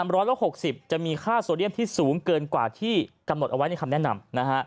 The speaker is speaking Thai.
ร้อยละ๖๐จะมีค่าโซเดียมที่สูงเกินกว่าที่กำหนดเอาไว้ในคำแนะนำ